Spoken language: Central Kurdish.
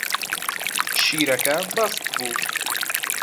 شیرەکە بەستبوو.